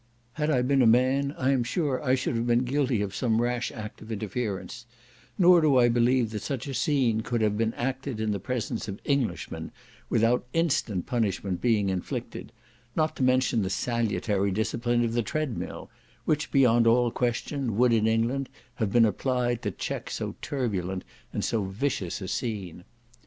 Had I been a man, I am sure I should have been guilty of some rash act of interference; nor do I believe that such a scene could have been acted in the presence of Englishmen without instant punishment being inflicted; not to mention the salutary discipline of the treadmill, which, beyond all question, would, in England, have been applied to check so turbulent and so vicious a scene.